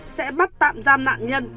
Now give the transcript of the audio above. sẽ bắt tạm giam nạn nhân